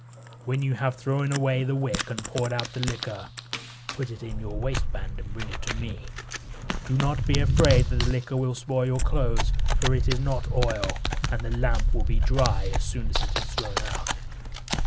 When you have thrown away the wick and poured out the liquor, put it in your waistband and bring it to me. Do not be afraid that the liquor will spoil your clothes, for it is not oil, and the lamp will be dry as soon as it is thrown out."